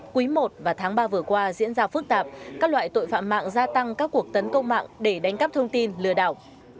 quý i và tháng ba vừa qua diễn ra phức tạp các loại tội phạm mạng gia tăng các cuộc tấn công mạng để đánh cắp thông tin lừa đảo